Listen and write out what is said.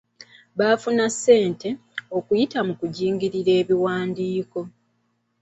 Bafuna ssente, okuyita mu kujingirira ebiwandiiko.